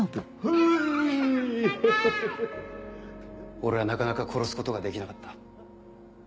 俺はなかなか殺すことができなかった。